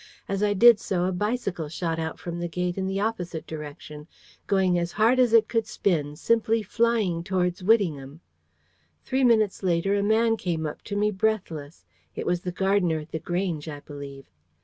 As I did so, a bicycle shot out from the gate in the opposite direction, going as hard as it could spin, simply flying towards Whittingham. Three minutes later, a man came up to me, breathless. It was the gardener at The Grange, I believe.